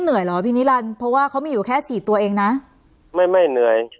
เหรอพี่นิรันดิ์เพราะว่าเขามีอยู่แค่สี่ตัวเองนะไม่ไม่เหนื่อย